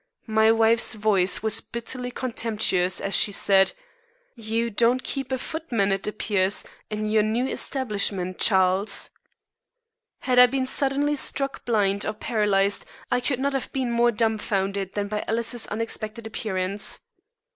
My wife's voice was bitterly contemptuous as she said: "You don't keep a footman, it appears, in your new establishment, Charles." Had I been suddenly struck blind, or paralyzed, I could not have been more dumfounded than by Alice's unexpected appearance.